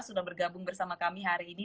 sudah bergabung bersama kami hari ini